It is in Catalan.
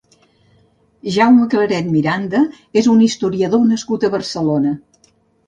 Jaume Claret Miranda és un historiador nascut a Barcelona.